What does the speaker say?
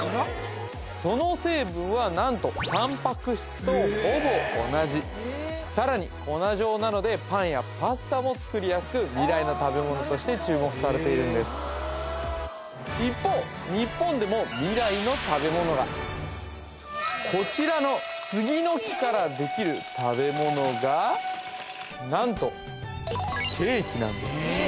その成分は何とタンパク質とほぼ同じさらに粉状なのでパンやパスタも作りやすく未来の食べ物として注目されているんです一方日本でも未来の食べ物がこちらの杉の木からできる食べ物が何とケーキなんです